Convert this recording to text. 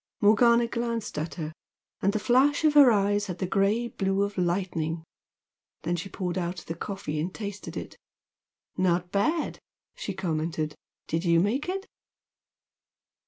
Morgana glanced at her, and the flash of her eyes had the grey blue of lightning. Then she poured out the coffee and tasted it. "Not bad!" she commented "Did you make it?"